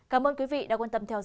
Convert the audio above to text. cảm ơn quý vị đã quan tâm theo dõi